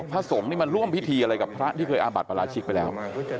พระสงฆ์นี่มาร่วมพิธีอะไรกับพระที่เคยอาบัติประราชิกไปแล้ว